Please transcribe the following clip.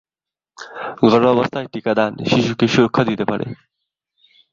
গর্ভাবস্থায় টিকাদান শিশুকে সুরক্ষা দিতে পারে।